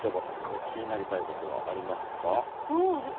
お聞きになりたいことはありますか？